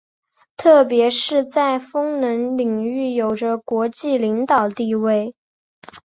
特别是在风能领域有着国际领导地位。